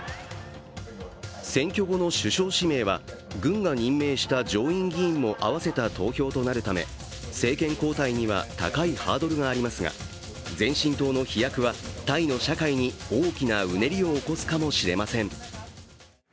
選挙後の首相指名は軍が任命した上院議員も合わせた投票となるため政権交代には高いハードルがありますが前進党の飛躍はタイの社会に大きなうねりを起こすかもしれません。